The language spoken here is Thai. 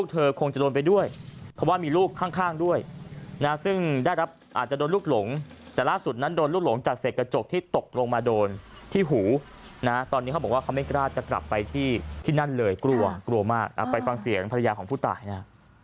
ที่หูนะตอนนี้เขาบอกว่าเขาไม่กล้าจะกลับไปที่ที่นั่นเลยกลัวกลัวมากไปฟังเสียงภรรยาของผู้ตายนะ